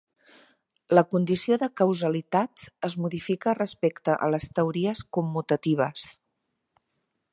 La condició de causalitat es modifica respecte a les teories commutatives.